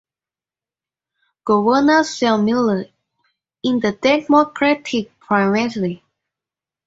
Governor Zell Miller in the Democratic Primary.